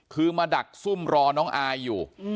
คือมาดักซุ่มรอน้องอายอยู่